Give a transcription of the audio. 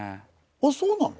あっそうなの？